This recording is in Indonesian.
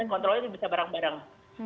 kontrolnya bisa bareng bareng